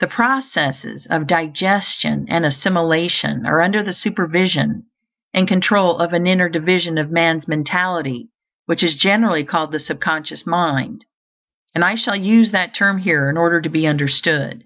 The processes of digestion and assimilation are under the supervision and control of an inner division of man's mentality, which is generally called the sub conscious mind; and I shall use that term here in order to be understood.